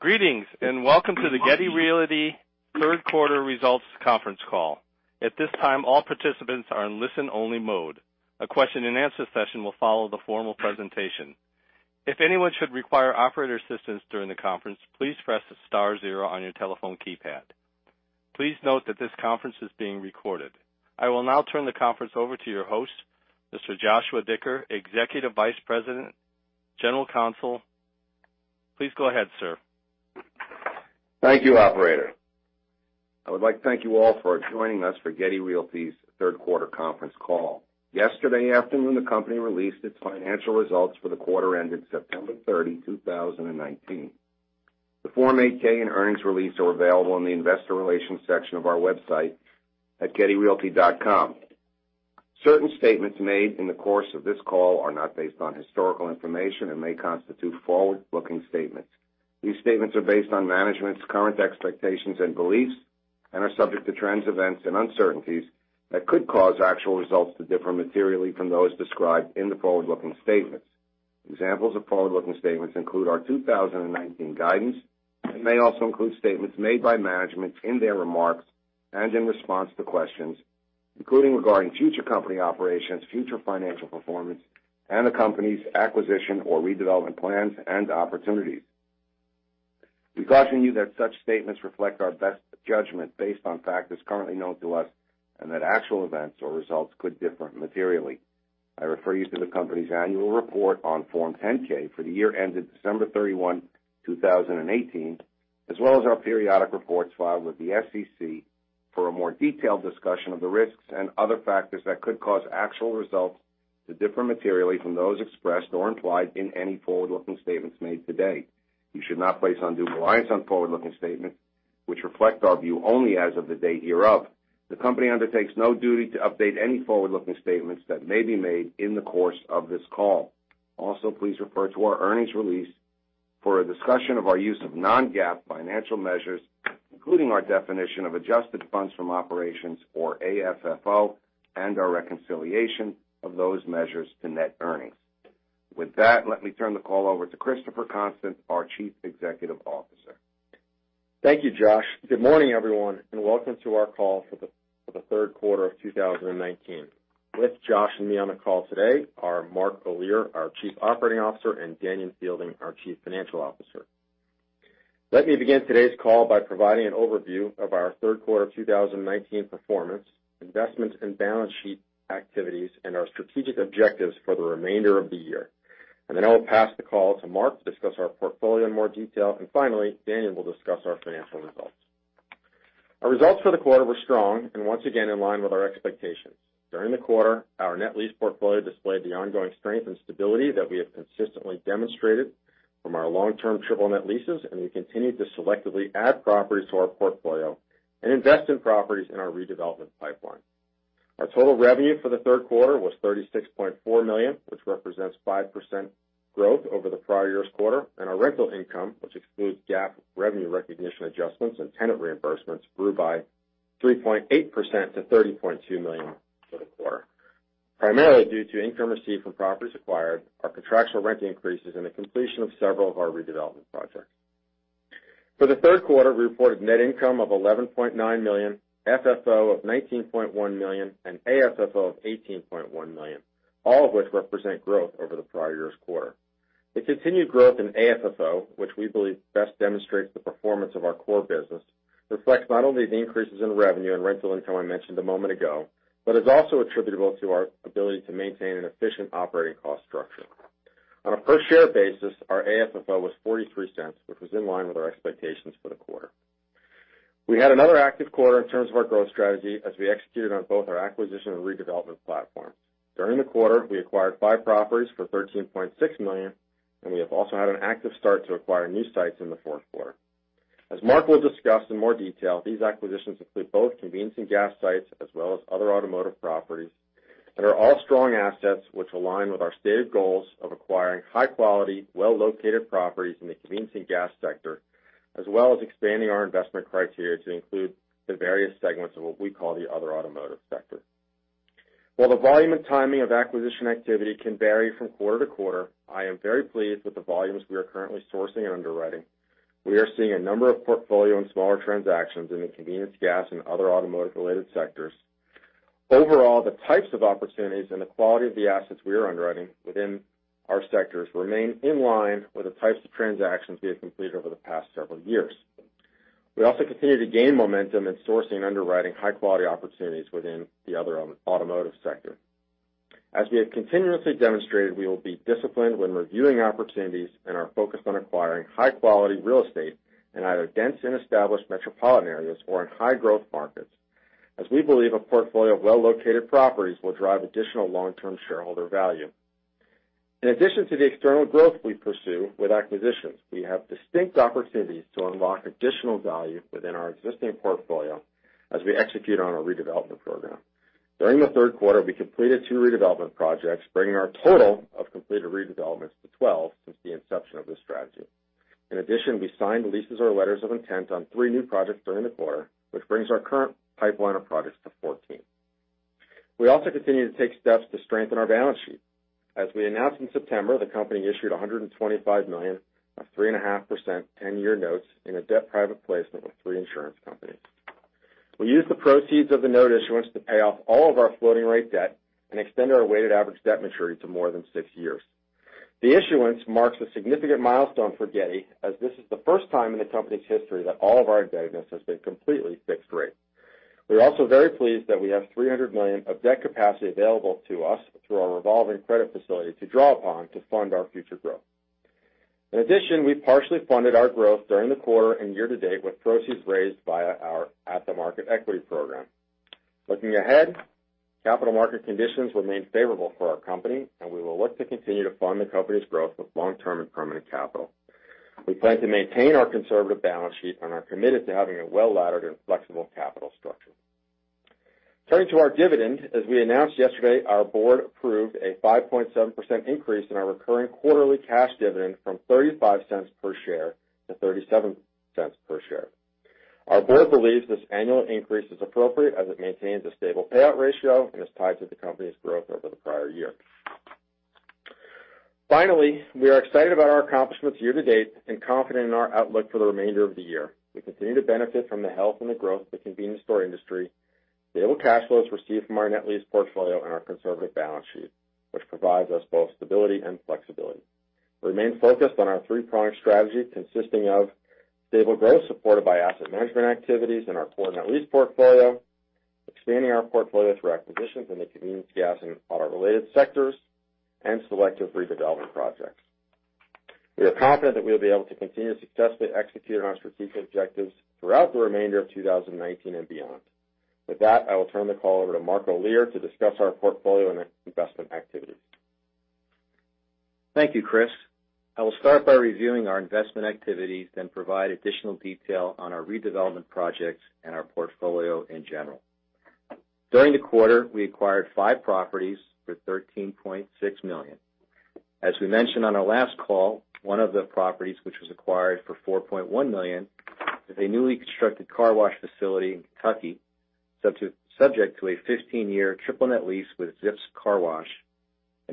Greetings, and welcome to the Getty Realty third quarter results conference call. At this time, all participants are in listen-only mode. A question and answer session will follow the formal presentation. If anyone should require operator assistance during the conference, please press the star zero on your telephone keypad. Please note that this conference is being recorded. I will now turn the conference over to your host, Mr. Joshua Dicker, Executive Vice President, General Counsel. Please go ahead, sir. Thank you, operator. I would like to thank you all for joining us for Getty Realty's third quarter conference call. Yesterday afternoon, the company released its financial results for the quarter ended September 30, 2019. The Form 8-K and earnings release are available on the investor relations section of our website at gettyrealty.com. Certain statements made in the course of this call are not based on historical information and may constitute forward-looking statements. These statements are based on management's current expectations and beliefs and are subject to trends, events, and uncertainties that could cause actual results to differ materially from those described in the forward-looking statements. Examples of forward-looking statements include our 2019 guidance and may also include statements made by management in their remarks and in response to questions, including regarding future company operations, future financial performance, and the company's acquisition or redevelopment plans and opportunities. We caution you that such statements reflect our best judgment based on factors currently known to us, and that actual events or results could differ materially. I refer you to the company's annual report on Form 10-K for the year ended December 31, 2018, as well as our periodic reports filed with the SEC for a more detailed discussion of the risks and other factors that could cause actual results to differ materially from those expressed or implied in any forward-looking statements made today. You should not place undue reliance on forward-looking statements, which reflect our view only as of the date hereof. The company undertakes no duty to update any forward-looking statements that may be made in the course of this call. Please refer to our earnings release for a discussion of our use of non-GAAP financial measures, including our definition of adjusted funds from operations, or AFFO, and our reconciliation of those measures to net earnings. With that, let me turn the call over to Christopher Constant, our Chief Executive Officer. Thank you, Josh. Good morning, everyone, and welcome to our call for the third quarter of 2019. With Josh and me on the call today are Mark Olear, our Chief Operating Officer, and Danion Fielding, our Chief Financial Officer. Let me begin today's call by providing an overview of our third quarter 2019 performance, investments and balance sheet activities, and our strategic objectives for the remainder of the year. Then I will pass the call to Mark to discuss our portfolio in more detail. Finally, Danion will discuss our financial results. Our results for the quarter were strong and once again in line with our expectations. During the quarter, our net lease portfolio displayed the ongoing strength and stability that we have consistently demonstrated from our long-term triple net leases, and we continued to selectively add properties to our portfolio and invest in properties in our redevelopment pipeline. Our total revenue for the third quarter was $36.4 million, which represents 5% growth over the prior year's quarter, and our rental income, which excludes GAAP revenue recognition adjustments and tenant reimbursements, grew by 3.8% to $30.2 million for the quarter, primarily due to income received from properties acquired, our contractual rent increases, and the completion of several of our redevelopment projects. For the third quarter, we reported net income of $11.9 million, FFO of $19.1 million, and AFFO of $18.1 million, all of which represent growth over the prior year's quarter. The continued growth in AFFO, which we believe best demonstrates the performance of our core business, reflects not only the increases in revenue and rental income I mentioned a moment ago, but is also attributable to our ability to maintain an efficient operating cost structure. On a per-share basis, our AFFO was $0.43, which was in line with our expectations for the quarter. We had another active quarter in terms of our growth strategy as we executed on both our acquisition and redevelopment platform. During the quarter, we acquired five properties for $13.6 million. We have also had an active start to acquire new sites in the fourth quarter. As Mark will discuss in more detail, these acquisitions include both convenience and gas sites, as well as other automotive properties, and are all strong assets which align with our stated goals of acquiring high-quality, well-located properties in the convenience and gas sector, as well as expanding our investment criteria to include the various segments of what we call the other automotive sector. While the volume and timing of acquisition activity can vary from quarter to quarter, I am very pleased with the volumes we are currently sourcing and underwriting. We are seeing a number of portfolio and smaller transactions in the convenience gas and other automotive-related sectors. Overall, the types of opportunities and the quality of the assets we are underwriting within our sectors remain in line with the types of transactions we have completed over the past several years. We also continue to gain momentum in sourcing and underwriting high-quality opportunities within the other automotive sector. As we have continuously demonstrated, we will be disciplined when reviewing opportunities and are focused on acquiring high-quality real estate in either dense and established metropolitan areas or in high-growth markets, as we believe a portfolio of well-located properties will drive additional long-term shareholder value. In addition to the external growth we pursue with acquisitions, we have distinct opportunities to unlock additional value within our existing portfolio as we execute on our redevelopment program. During the third quarter, we completed two redevelopment projects, bringing our total of completed redevelopments to 12 since the inception of this strategy. In addition, we signed leases or letters of intent on three new projects during the quarter, which brings our current pipeline of projects to 14. We also continue to take steps to strengthen our balance sheet. As we announced in September, the company issued $125 million of 3.5% 10-year notes in a debt private placement with three insurance companies. We used the proceeds of the note issuance to pay off all of our floating rate debt and extend our weighted average debt maturity to more than six years. The issuance marks a significant milestone for Getty as this is the first time in the company's history that all of our indebtedness has been completely fixed rate. We are also very pleased that we have $300 million of debt capacity available to us through our revolving credit facility to draw upon to fund our future growth. In addition, we partially funded our growth during the quarter and year to date with proceeds raised via our at-the-market equity program. Looking ahead, capital market conditions remain favorable for our company, and we will look to continue to fund the company's growth with long-term and permanent capital. We plan to maintain our conservative balance sheet and are committed to having a well-laddered and flexible capital structure. Turning to our dividend, as we announced yesterday, our board approved a 5.7% increase in our recurring quarterly cash dividend from $0.35 per share to $0.37 per share. Our board believes this annual increase is appropriate as it maintains a stable payout ratio and is tied to the company's growth over the prior year. Finally, we are excited about our accomplishments year to date and confident in our outlook for the remainder of the year. We continue to benefit from the health and the growth of the convenience store industry, stable cash flows received from our net lease portfolio, and our conservative balance sheet, which provides us both stability and flexibility. We remain focused on our three-pronged strategy consisting of stable growth supported by asset management activities in our core net lease portfolio, expanding our portfolio through acquisitions in the convenience gas and auto-related sectors, and selective redevelopment projects. We are confident that we will be able to continue to successfully execute on our strategic objectives throughout the remainder of 2019 and beyond. With that, I will turn the call over to Mark Olear to discuss our portfolio and investment activities. Thank you, Chris. I will start by reviewing our investment activities, provide additional detail on our redevelopment projects and our portfolio in general. During the quarter, we acquired five properties for $13.6 million. As we mentioned on our last call, one of the properties, which was acquired for $4.1 million, is a newly constructed car wash facility in Kentucky, subject to a 15-year triple net lease with Zips Car Wash.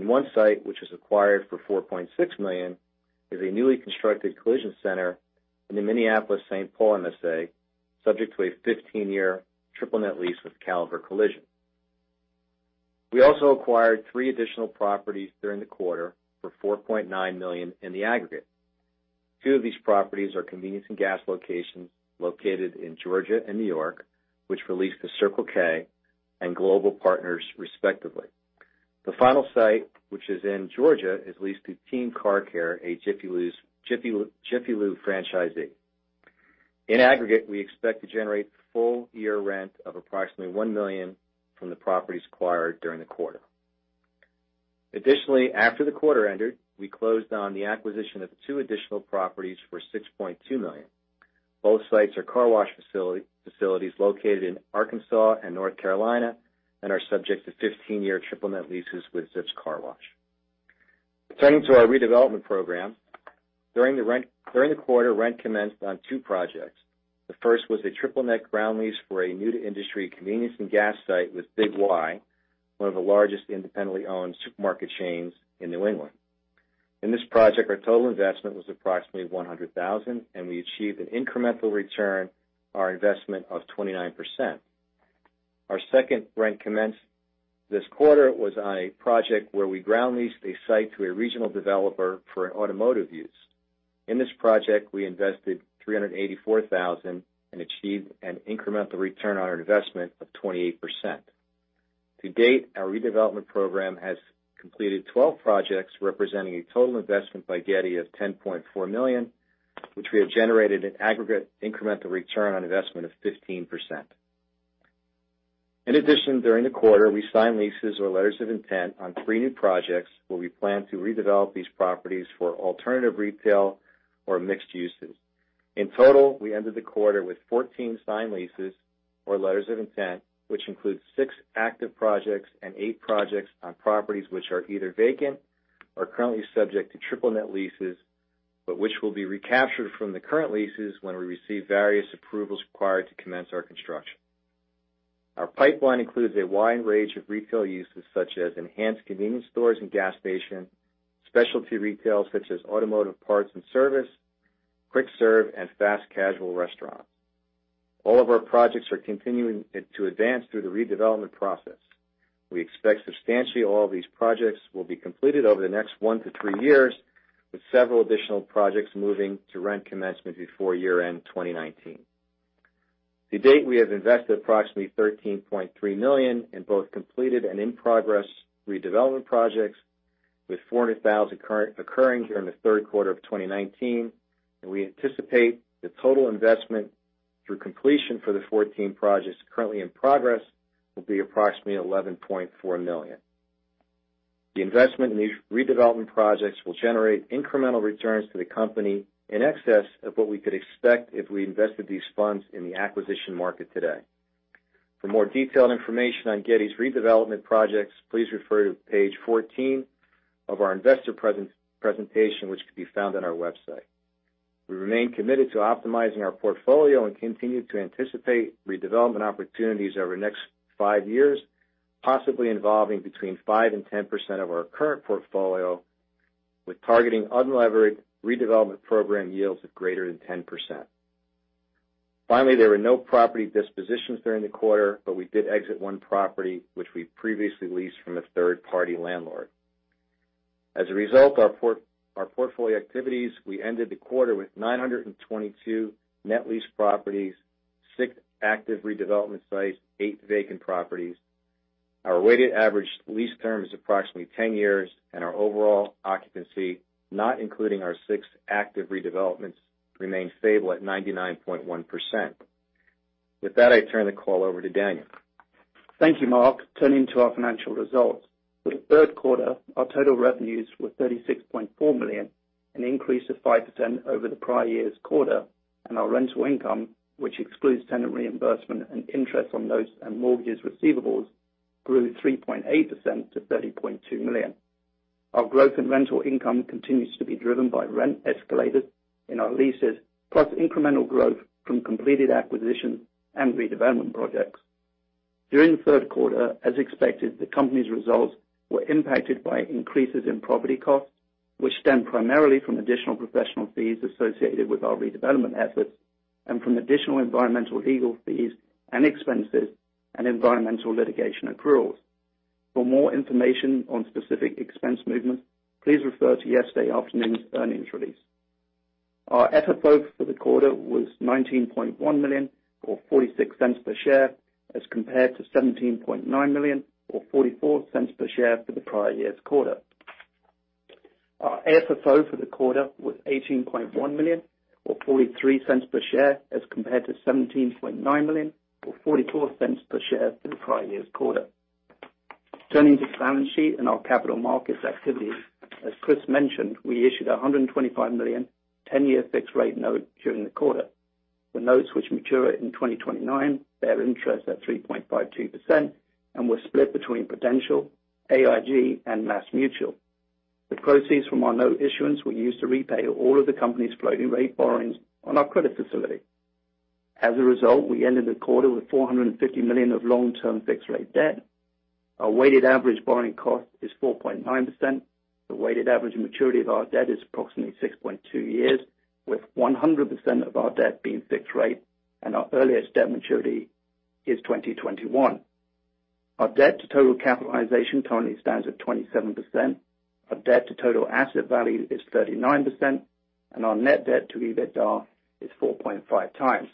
One site, which was acquired for $4.6 million, is a newly constructed collision center in the Minneapolis-Saint Paul MSA, subject to a 15-year triple net lease with Caliber Collision. We also acquired three additional properties during the quarter for $4.9 million in the aggregate. Two of these properties are convenience and gas locations located in Georgia and New York, which were leased to Circle K and Global Partners respectively. The final site, which is in Georgia, is leased to Team Car Care, a Jiffy Lube franchisee. In aggregate, we expect to generate full year rent of approximately $1 million from the properties acquired during the quarter. Additionally, after the quarter ended, we closed on the acquisition of two additional properties for $6.2 million. Both sites are car wash facilities located in Arkansas and North Carolina and are subject to 15-year triple net leases with Zips Car Wash. Turning to our redevelopment program. During the quarter, rent commenced on two projects. The first was a triple net ground lease for a new-to-industry convenience and gas site with Big Y, one of the largest independently owned supermarket chains in New England. In this project, our total investment was approximately $100,000, and we achieved an incremental return on our investment of 29%. Our second rent commenced this quarter was on a project where we ground leased a site to a regional developer for an automotive use. In this project, we invested $384,000 and achieved an incremental return on our investment of 28%. To date, our redevelopment program has completed 12 projects, representing a total investment by Getty of $10.4 million, which we have generated an aggregate incremental return on investment of 15%. In addition, during the quarter, we signed leases or letters of intent on three new projects where we plan to redevelop these properties for alternative retail or mixed uses. In total, we ended the quarter with 14 signed leases or letters of intent, which includes six active projects and eight projects on properties which are either vacant or currently subject to triple net leases, but which will be recaptured from the current leases when we receive various approvals required to commence our construction. Our pipeline includes a wide range of retail uses, such as enhanced convenience stores and gas stations, specialty retail such as automotive parts and service, quick serve, and fast casual restaurants. All of our projects are continuing to advance through the redevelopment process. We expect substantially all these projects will be completed over the next one to three years, with several additional projects moving to rent commencement before year-end 2019. To date, we have invested approximately $13.3 million in both completed and in-progress redevelopment projects, with $400,000 occurring during the third quarter of 2019. We anticipate the total investment through completion for the 14 projects currently in progress will be approximately $11.4 million. The investment in these redevelopment projects will generate incremental returns to the company in excess of what we could expect if we invested these funds in the acquisition market today. For more detailed information on Getty's redevelopment projects, please refer to page 14 of our investor presentation, which could be found on gettyrealty.com. We remain committed to optimizing our portfolio and continue to anticipate redevelopment opportunities over the next five years, possibly involving between 5% and 10% of our current portfolio, with targeting unlevered redevelopment program yields of greater than 10%. There were no property dispositions during the quarter, but we did exit one property, which we previously leased from a third-party landlord. As a result of our portfolio activities, we ended the quarter with 922 net leased properties, six active redevelopment sites, eight vacant properties. Our weighted average lease term is approximately 10 years, our overall occupancy, not including our six active redevelopments, remains stable at 99.1%. With that, I turn the call over to Daniel. Thank you, Mark. Turning to our financial results. For the third quarter, our total revenues were $36.4 million, an increase of 5% over the prior year's quarter, and our rental income, which excludes tenant reimbursement and interest on those and mortgages receivables, grew 3.8% to $30.2 million. Our growth in rental income continues to be driven by rent escalators in our leases, plus incremental growth from completed acquisition and redevelopment projects. During the third quarter, as expected, the company's results were impacted by increases in property costs, which stemmed primarily from additional professional fees associated with our redevelopment efforts and from additional environmental legal fees and expenses and environmental litigation accruals. For more information on specific expense movements, please refer to yesterday afternoon's earnings release. Our EBITDA for the quarter was $19.1 million, or $0.46 per share, as compared to $17.9 million or $0.44 per share for the prior year's quarter. Our AFFO for the quarter was $18.1 million or $0.43 per share as compared to $17.9 million or $0.44 per share for the prior year's quarter. Turning to the balance sheet and our capital markets activities. As Chris mentioned, we issued $125 million, 10-year fixed rate note during the quarter. The notes which mature in 2029, bear interest at 3.52% and were split between Prudential, AIG and MassMutual. The proceeds from our note issuance were used to repay all of the company's floating rate borrowings on our credit facility. As a result, we ended the quarter with $450 million of long-term fixed rate debt. Our weighted average borrowing cost is 4.9%. The weighted average maturity of our debt is approximately 6.2 years, with 100% of our debt being fixed rate, and our earliest debt maturity is 2021. Our debt to total capitalization currently stands at 27%. Our debt to total asset value is 39%, and our net debt to EBITDA is 4.5 times.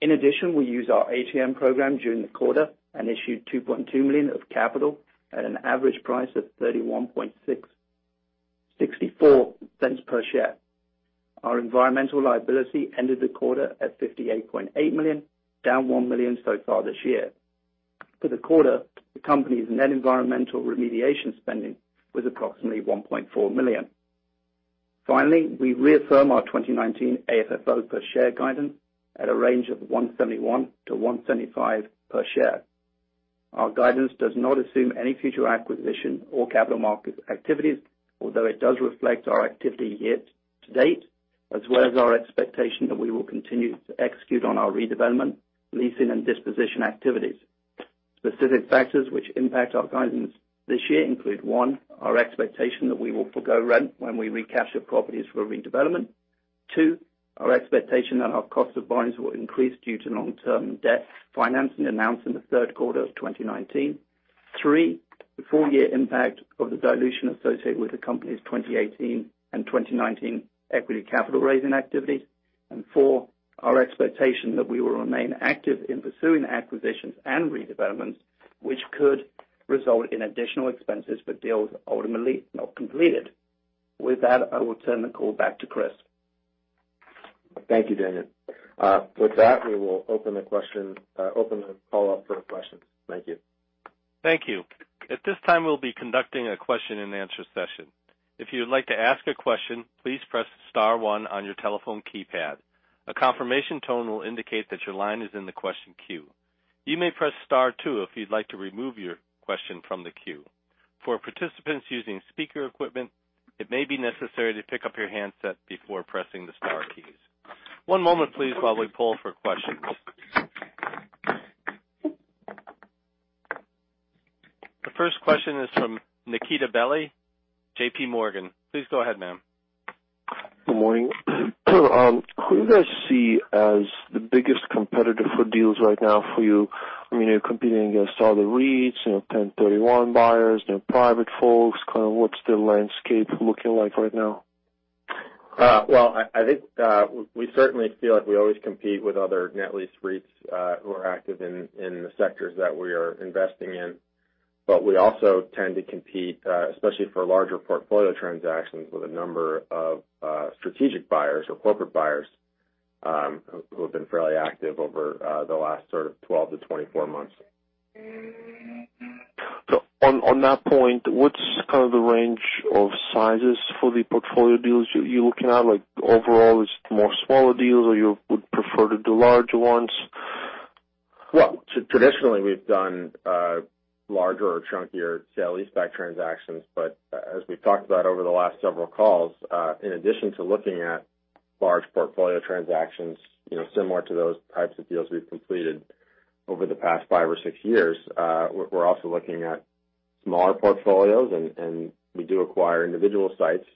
In addition, we used our ATM program during the quarter and issued $2.2 million of capital at an average price of $0.3164 per share. Our environmental liability ended the quarter at $58.8 million, down $1 million so far this year. For the quarter, the company's net environmental remediation spending was approximately $1.4 million. Finally, we reaffirm our 2019 AFFO per share guidance at a range of $1.71 to $1.75 per share. Our guidance does not assume any future acquisition or capital market activities, although it does reflect our activity yet to date, as well as our expectation that we will continue to execute on our redevelopment, leasing, and disposition activities. Specific factors which impact our guidance this year include, one, our expectation that we will forgo rent when we recapture the properties for redevelopment. two, our expectation that our cost of borrowings will increase due to long-term debt financing announced in the third quarter of 2019. three, the full-year impact of the dilution associated with the company's 2018 and 2019 equity capital raising activities. Four, our expectation that we will remain active in pursuing acquisitions and redevelopments, which could result in additional expenses for deals ultimately not completed. With that, I will turn the call back to Chris. Thank you, Daniel. With that, we will open the call up for questions. Thank you. Thank you. At this time, we'll be conducting a question and answer session. If you would like to ask a question, please press star one on your telephone keypad. A confirmation tone will indicate that your line is in the question queue. You may press star two if you'd like to remove your question from the queue. For participants using speaker equipment, it may be necessary to pick up your handset before pressing the star keys. One moment please while we poll for questions. The first question is from Nikita Bely, JPMorgan. Please go ahead, ma'am. Good morning. Who do you guys see as the biggest competitor for deals right now for you? You're competing against all the REITs, 1031 buyers, private folks. What's the landscape looking like right now? Well, I think we certainly feel like we always compete with other net lease REITs who are active in the sectors that we are investing in. We also tend to compete, especially for larger portfolio transactions, with a number of strategic buyers or corporate buyers who have been fairly active over the last sort of 12-24 months. On that point, what's kind of the range of sizes for the portfolio deals you're looking at? Overall, is it more smaller deals or you would prefer to do larger ones? Well, traditionally we've done larger or chunkier sale-leaseback transactions. As we've talked about over the last several calls, in addition to looking at large portfolio transactions similar to those types of deals we've completed over the past five or six years, we're also looking at smaller portfolios, and we do acquire individual sites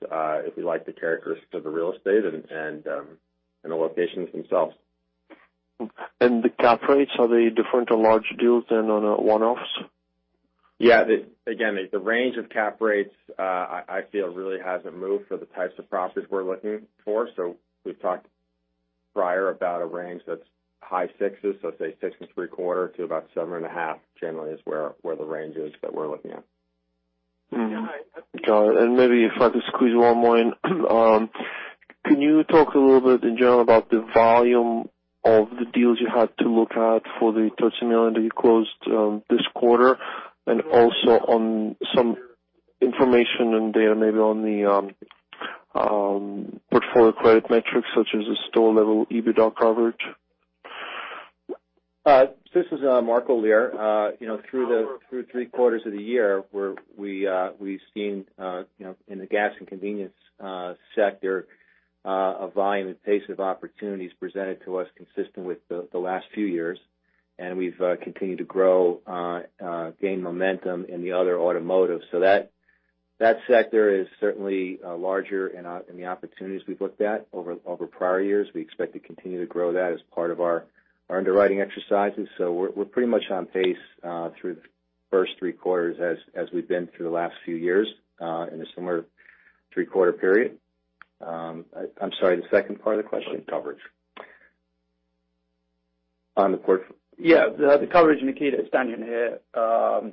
if we like the characteristics of the real estate and the locations themselves. The cap rates, are they different on large deals than on one-offs? Yeah. The range of cap rates, I feel really hasn't moved for the types of properties we're looking for. We've talked prior about a range that's high sixes, so say six and three-quarter to about seven and a half, generally is where the range is that we're looking at. Got it. Maybe if I could squeeze one more in. Can you talk a little bit in general about the volume of the deals you had to look at for the $13.6 million that you closed this quarter, and also on some information and data maybe on the portfolio credit metrics such as the store level, EBITDA coverage? This is Mark Olear. Through three quarters of the year, we've seen in the gas and convenience sector, a volume and pace of opportunities presented to us consistent with the last few years, and we've continued to grow, gain momentum in the other automotive. That sector is certainly larger in the opportunities we've looked at over prior years. We expect to continue to grow that as part of our underwriting exercises. We're pretty much on pace through the first three quarters as we've been through the last few years in a similar three-quarter period. I'm sorry, the second part of the question? Coverage. On the quarter. Yeah. The coverage, Nikita Bely here,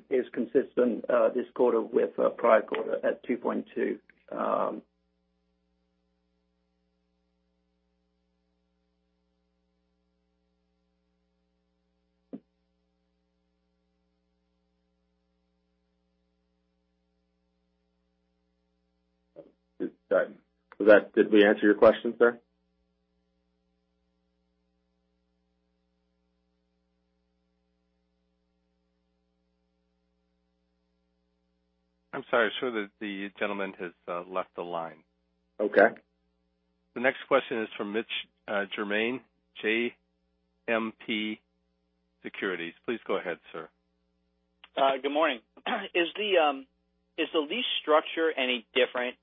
is consistent this quarter with prior quarter at 2.2. Did we answer your question, sir? I'm sorry, sir. The gentleman has left the line. Okay. The next question is from Mitch Germain, JMP Securities. Please go ahead, sir. Good morning. Is the lease structure any different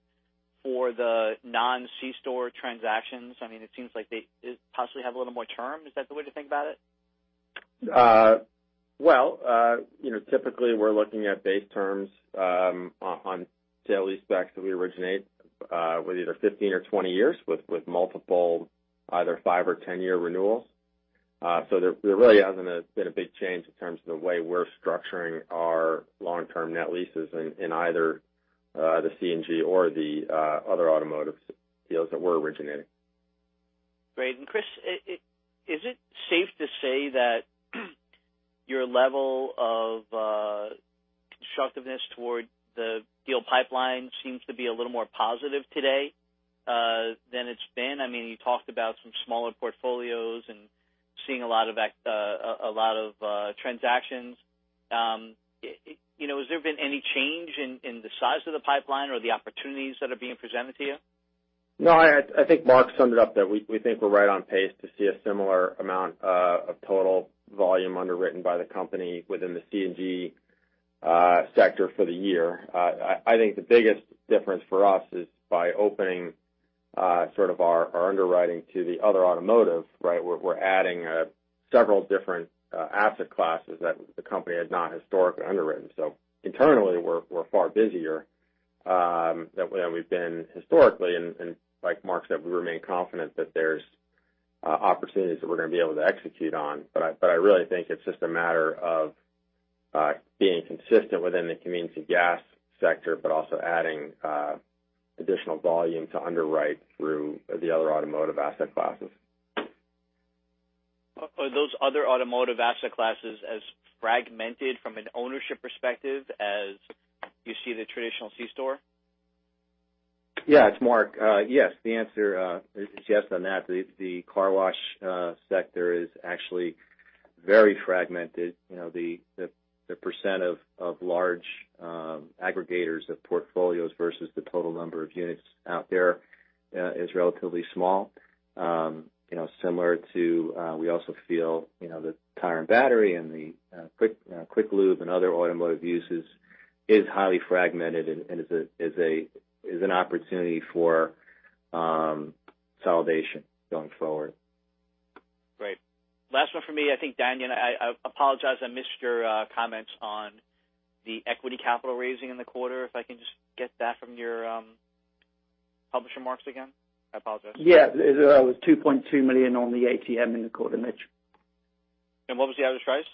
for the non-C-store transactions? It seems like they possibly have a little more term. Is that the way to think about it? Well, typically we're looking at base terms on sale-leasebacks that we originate with either 15 or 20 years with multiple either five or 10-year renewals. There really hasn't been a big change in terms of the way we're structuring our long-term net leases in either the C&G or the other automotive deals that we're originating. Great. Chris, is it safe to say that your level of constructiveness toward the deal pipeline seems to be a little more positive today than it's been? You talked about some smaller portfolios and seeing a lot of transactions. Has there been any change in the size of the pipeline or the opportunities that are being presented to you? No. I think Mark summed it up that we think we're right on pace to see a similar amount of total volume underwritten by the company within the C&G sector for the year. I think the biggest difference for us is by opening sort of our underwriting to the other automotive, we're adding several different asset classes that the company had not historically underwritten. Internally, we're far busier than we've been historically, and like Mark said, we remain confident that there's opportunities that we're going to be able to execute on. I really think it's just a matter of being consistent within the convenience and gas sector, but also adding additional volume to underwrite through the other automotive asset classes. Are those other automotive asset classes as fragmented from an ownership perspective as you see the traditional C-store? Yeah. It's Mark. Yes, the answer is yes on that. The car wash sector is actually very fragmented. The % of large aggregators of portfolios versus the total number of units out there is relatively small. Similar to, we also feel, the tire and battery and the quick lube and other automotive uses is highly fragmented and is an opportunity for consolidation going forward. Great. Last one for me. I think, Danion, I apologize I missed your comments on the equity capital raising in the quarter. If I can just get that from your previous remarks again. I apologize. Yeah. It was $2.2 million on the ATM in the quarter, Mitch. What was the average price?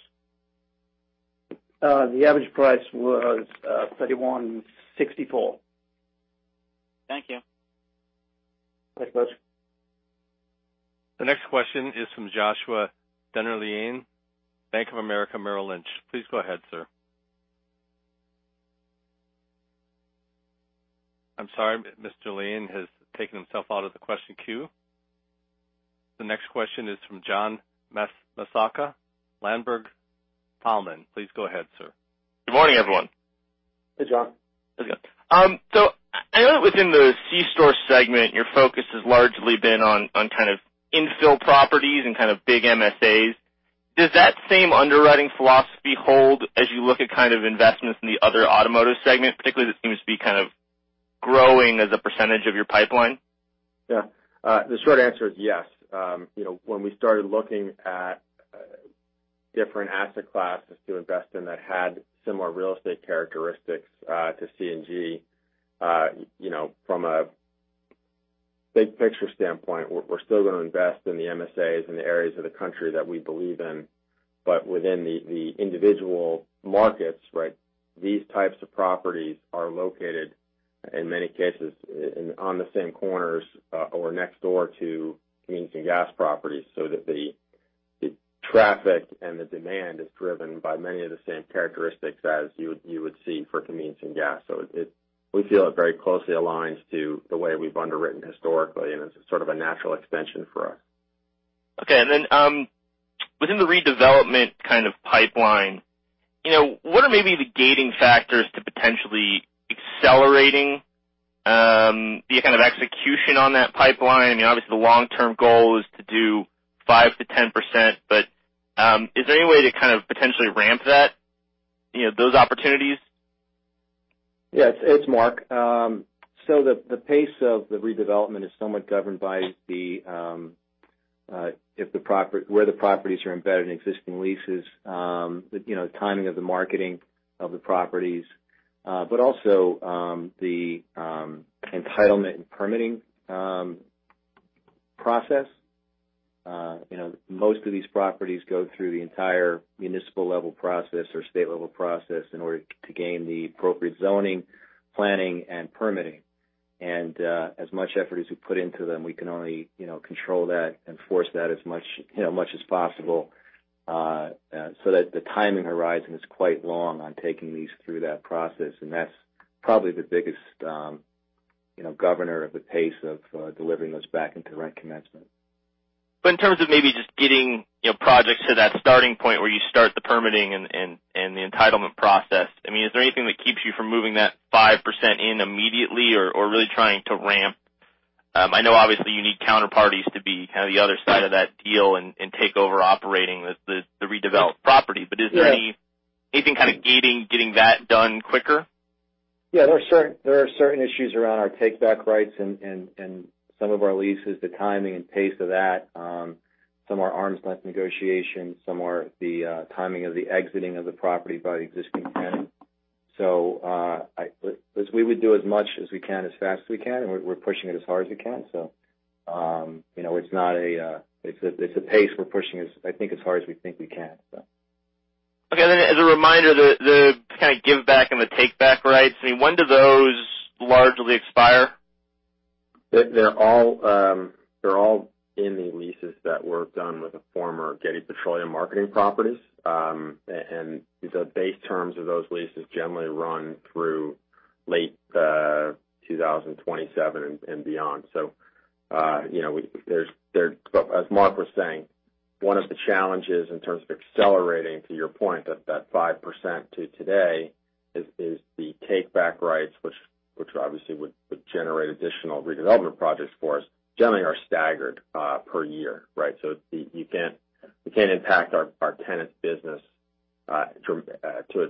The average price was $31.64. Thank you. Thanks, Mitch. The next question is from Joshua Dennerlein, Bank of America Merrill Lynch. Please go ahead, sir. I'm sorry, Mr. Dennerlein has taken himself out of the question queue. The next question is from John Massocca, Ladenburg Thalmann. Please go ahead, sir. Good morning, everyone. Hey, John. How's it going? I know within the C-store segment, your focus has largely been on kind of infill properties and kind of big MSAs. Does that same underwriting philosophy hold as you look at kind of investments in the other automotive segment, particularly that seems to be kind of growing as a % of your pipeline? Yeah. The short answer is yes. When we started looking at different asset classes to invest in that had similar real estate characteristics, to C&G, from a big picture standpoint, we're still going to invest in the MSAs and the areas of the country that we believe in, but within the individual markets, right? These types of properties are located, in many cases, on the same corners or next door to convenience and gas properties, so that the traffic and the demand is driven by many of the same characteristics as you would see for convenience and gas. We feel it very closely aligns to the way we've underwritten historically, and it's sort of a natural extension for us. Okay. Within the redevelopment kind of pipeline, what are maybe the gating factors to potentially accelerating the kind of execution on that pipeline? Obviously, the long-term goal is to do 5%-10%, but is there any way to kind of potentially ramp that, those opportunities? It's Mark. The pace of the redevelopment is somewhat governed by where the properties are embedded in existing leases, the timing of the marketing of the properties, but also, the entitlement and permitting process. Most of these properties go through the entire municipal-level process or state-level process in order to gain the appropriate zoning, planning, and permitting. As much effort as we put into them, we can only control that and force that as much as possible, so that the timing horizon is quite long on taking these through that process, and that's probably the biggest governor of the pace of delivering those back into rent commencement. In terms of maybe just getting projects to that starting point where you start the permitting and the entitlement process, is there anything that keeps you from moving that 5% in immediately or really trying to ramp? I know obviously you need counterparties to be kind of the other side of that deal and take over operating the redeveloped property. Right Is there anything kind of gating getting that done quicker? Yeah, there are certain issues around our take-back rights and some of our leases, the timing and pace of that. Some are arm's-length negotiations, some are the timing of the exiting of the property by the existing tenant. We would do as much as we can, as fast as we can, and we're pushing it as hard as we can. It's a pace we're pushing, I think, as hard as we think we can. Okay. As a reminder, the kind of give back and the take back rights, when do those largely expire? They're all in the leases that were done with the former Getty Petroleum marketing properties. The base terms of those leases generally run through late 2027 and beyond. As Mark was saying, one of the challenges in terms of accelerating, to your point, that 5% to today is the take back rights, which obviously would generate additional redevelopment projects for us, generally are staggered per year. Right? We can't impact our tenant's business to a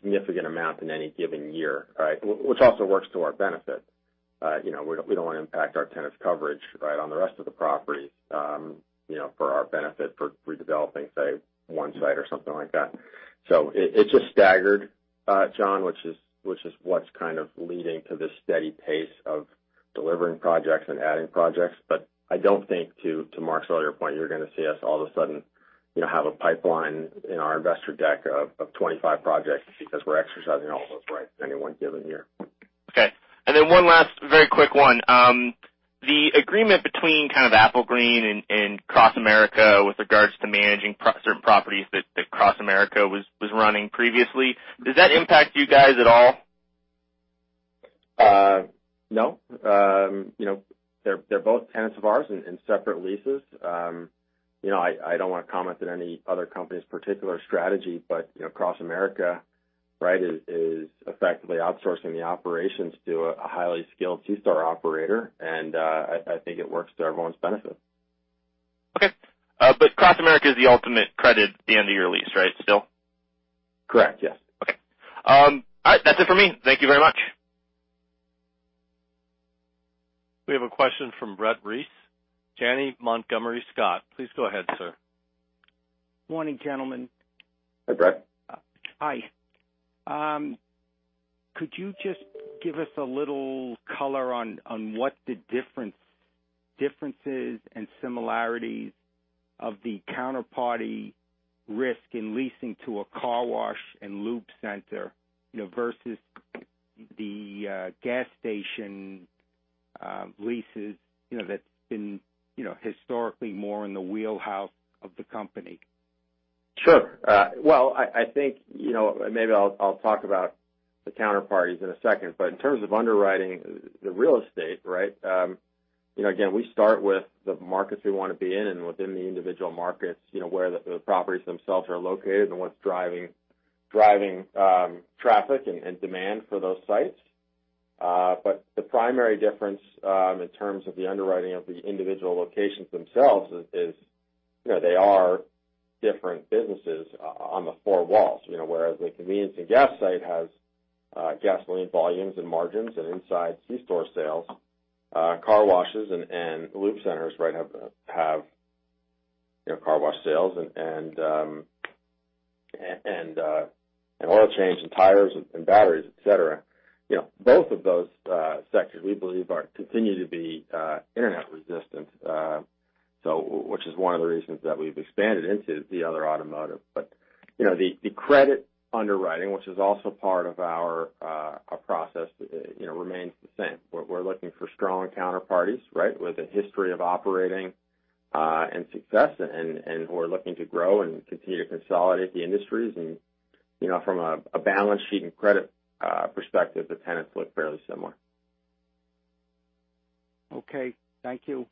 significant amount in any given year. Right? Which also works to our benefit. We don't want to impact our tenant's coverage on the rest of the property for our benefit for redeveloping, say, one site or something like that. It's just staggered, John, which is what's kind of leading to this steady pace of delivering projects and adding projects. I don't think, to Mark's earlier point, you're going to see us all of a sudden have a pipeline in our investor deck of 25 projects because we're exercising all those rights any one given year. Okay. One last very quick one. The agreement between kind of Applegreen and CrossAmerica with regards to managing certain properties that CrossAmerica was running previously. Does that impact you guys at all? No. They're both tenants of ours in separate leases. I don't want to comment on any other company's particular strategy, but CrossAmerica is effectively outsourcing the operations to a highly skilled C-store operator, and I think it works to everyone's benefit. Okay. CrossAmerica is the ultimate credit at the end of your lease, right? Still? Correct. Yes. Okay. All right. That's it for me. Thank you very much. We have a question from Brett Reiss, Janney Montgomery Scott. Please go ahead, sir. Morning, gentlemen. Hi, Brett. Hi. Could you just give us a little color on what the differences and similarities of the counterparty risk in leasing to a car wash and lube center versus the gas station leases that's been historically more in the wheelhouse of the company? Sure. I think maybe I'll talk about the counterparties in a second, but in terms of underwriting the real estate. Again, we start with the markets we want to be in and within the individual markets, where the properties themselves are located and what's driving traffic and demand for those sites. The primary difference in terms of the underwriting of the individual locations themselves is they are different businesses on the four walls. Whereas a convenience and gas site has gasoline volumes and margins and inside C-store sales, car washes and lube centers have car wash sales and oil change and tires and batteries, et cetera. Both of those sectors, we believe, continue to be internet resistant, which is one of the reasons that we've expanded into the other automotive. The credit underwriting, which is also part of our process, remains the same. We're looking for strong counterparties with a history of operating and success and who are looking to grow and continue to consolidate the industries. From a balance sheet and credit perspective, the tenants look fairly similar. Okay, thank you.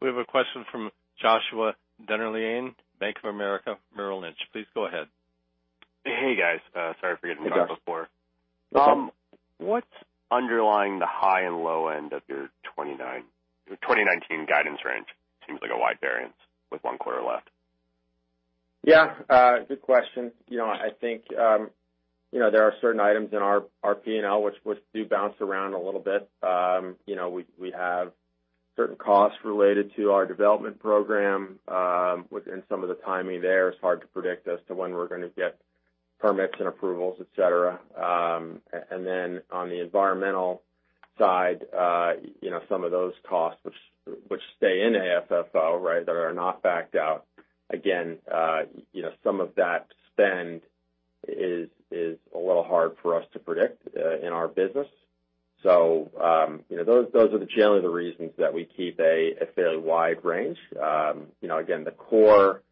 We have a question from Joshua Dennerlein, Bank of America Merrill Lynch. Please go ahead. Hey, guys. Sorry for getting on before. Hey, Josh. What's underlying the high and low end of your 2019 guidance range? Seems like a wide variance with one quarter left. Yeah. Good question. I think there are certain items in our P&L which do bounce around a little bit. We have certain costs related to our development program, some of the timing there is hard to predict as to when we're going to get permits and approvals, et cetera. On the environmental side, some of those costs which stay in AFFO that are not backed out, again, some of that spend is a little hard for us to predict in our business. Those are generally the reasons that we keep a fairly wide range. Again, the core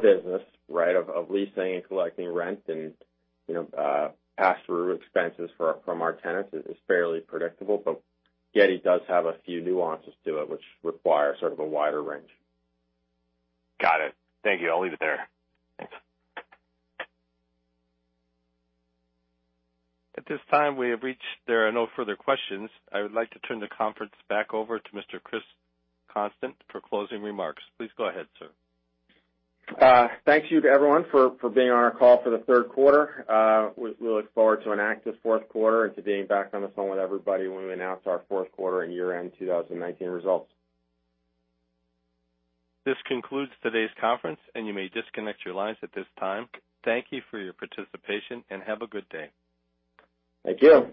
business of leasing and collecting rent and pass-through expenses from our tenants is fairly predictable, yet it does have a few nuances to it which require sort of a wider range. Got it. Thank you. I'll leave it there. Thanks. At this time, we have reached there are no further questions. I would like to turn the conference back over to Mr. Chris Constant for closing remarks. Please go ahead, sir. Thank you to everyone for being on our call for the third quarter. We look forward to an active fourth quarter and to being back on the phone with everybody when we announce our fourth quarter and year-end 2019 results. This concludes today's conference, and you may disconnect your lines at this time. Thank you for your participation, and have a good day. Thank you.